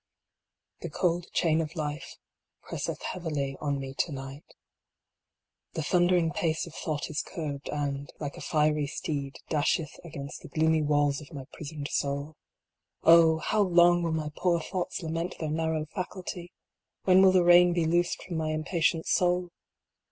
"T^HE cold chain of life presseth heavily on me to night. The thundering pace of thought is curbed, and, like a fiery steed, dasheth against the gloomy walls of my pris oned soul. Oh ! how long will my poor thoughts lament their nar row faculty ? When will the rein be loosed from my im patient soul